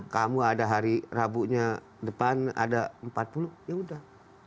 kamu ada hari rabu depan ada empat puluh ya sudah